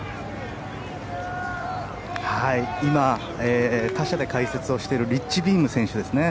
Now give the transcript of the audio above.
今、他社で解説をしているリッチ・ビーム選手ですね。